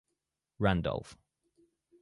Randolph.